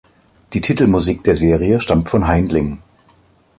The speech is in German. Die Titelmusik der Serie stammt von Haindling.